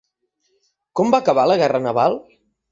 Com va acabar la guerra naval?